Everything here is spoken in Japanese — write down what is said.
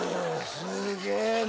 すげえな。